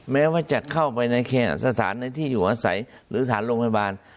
แม้ว่าจะเข้าไปในสถานในที่อยู่อาศัยหรือสถานโรงพยาบาล